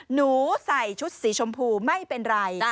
หนูใส่ชุดสีชมพูไม่เป็นไร